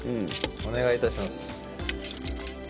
お願い致します。